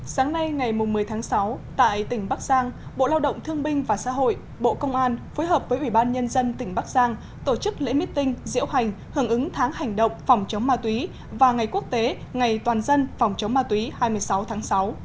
sáng nay ngày một mươi tháng sáu tại tỉnh bắc giang bộ lao động thương binh và xã hội bộ công an phối hợp với ủy ban nhân dân tỉnh bắc giang tổ chức lễ meeting diễu hành hưởng ứng tháng hành động phòng chống ma túy và ngày quốc tế ngày toàn dân phòng chống ma túy hai mươi sáu tháng sáu